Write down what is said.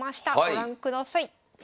ご覧ください。